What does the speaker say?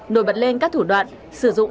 nổi bật lên các thủ đoạn